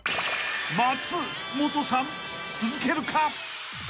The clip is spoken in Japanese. ［松本さん続けるか］